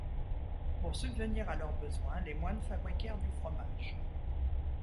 Pour subvenir à leurs besoins les moines fabriquèrent du fromage.